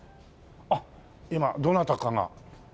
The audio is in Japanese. あっ今どなたかが。